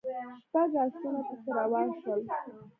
شپږ آسونه پسې روان شول.